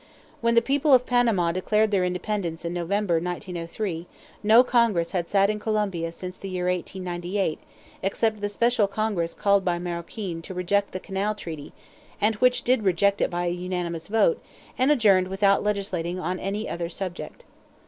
When the people of Panama declared their independence in November, 1903, no Congress had sat in Colombia since the year 1898, except the special Congress called by Maroquin to reject the canal treaty, and which did reject it by a unanimous vote, and adjourned without legislating on any other subject.